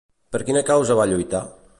Per quina causa va lluitar?